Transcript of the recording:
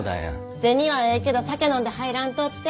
銭はええけど酒飲んで入らんとって。